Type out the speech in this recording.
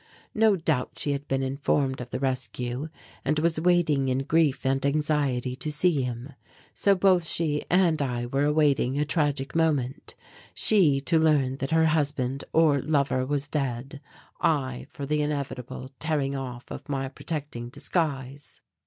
No doubt she had been informed of the rescue and was waiting in grief and anxiety to see him. So both she and I were awaiting a tragic moment she to learn that her husband or lover was dead, I for the inevitable tearing off of my protecting disguise.